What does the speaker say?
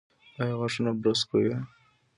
ایا غاښونه برس کوي؟